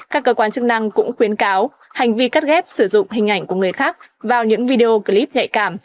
các cơ quan chức năng cũng khuyến cáo hành vi cắt ghép sử dụng hình ảnh của người khác vào những video clip nhạy cảm